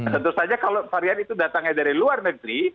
tentu saja kalau varian itu datangnya dari luar negeri